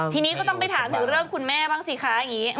ทีนี้ก็ต้องไปถามถึงเรื่องคุณแม่บ้างสิคะอย่างนี้